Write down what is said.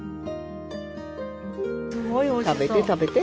食べて食べて。